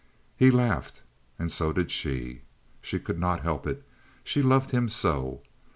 He laughed, and so did she. She could not help it. She loved him so.